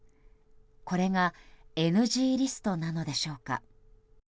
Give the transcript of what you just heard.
これがＮＧリストなのでしょうか。